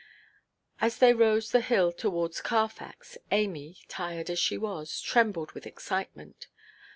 As they rose the hill towards Carfax, Amy (tired as she was) trembled with excitement.